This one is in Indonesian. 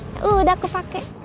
ya udah aku pakai